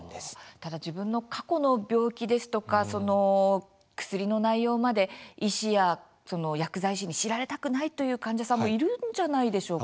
ただ自分の過去の病気ですとか薬の内容まで医師や薬剤師に知られたくないという患者さんもいるんじゃないでしょうか？